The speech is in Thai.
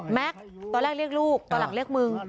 ตอนแรกเรียกลูกตอนหลังเรียกมึง